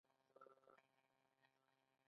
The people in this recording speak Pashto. د انسان پښې د بدن وزن څو چنده برداشت کوي.